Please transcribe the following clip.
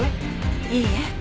いいえ。